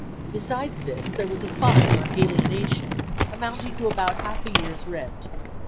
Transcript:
Besides this, there was a fine on alienation amounting to about half a year's rent.